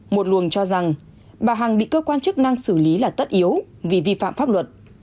một luồng cho rằng bà hằng bị cơ quan chức năng xử lý là tất yếu vì vi phạm pháp luật